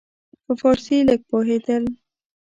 په فارسي لږ پوهېدل.